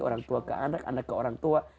orang tua ke anak anak ke orang tua